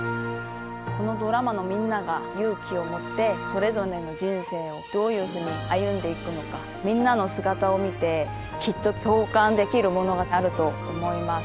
このドラマのみんなが勇気を持ってそれぞれの人生をどういうふうに歩んでいくのかみんなの姿を見てきっと共感できるものがあると思います。